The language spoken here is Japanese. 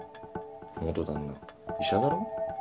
元旦那医者だろ？